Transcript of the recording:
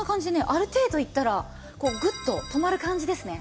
ある程度いったらグッと止まる感じですね。